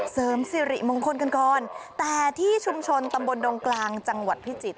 เสริมสิริมงคลกันก่อนแต่ที่ชุมชนตำบลดงกลางจังหวัดพิจิตร